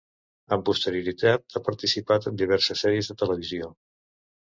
Amb posterioritat ha participat en diverses sèries de televisió.